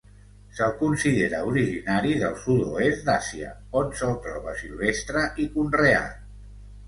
Se'l considera originari del sud-oest d'Àsia, on se'l troba silvestre i conreat.